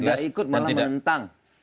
tidak ikut malah menentang